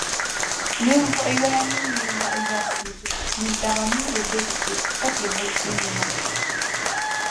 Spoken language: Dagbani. ninvuɣ’ yoya mini ninvuɣ’ yarisi ni daba mi be bɛ ko ka chɛ bilichinnima.